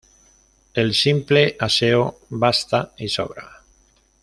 El simple aseo basta y sobra.